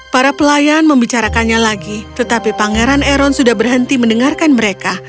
para pelayan membicarakannya lagi tetapi pangeran eron sudah berhenti mendengarkan mereka